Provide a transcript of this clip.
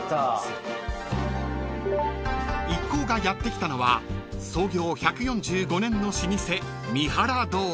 ［一行がやって来たのは創業１４５年の老舗］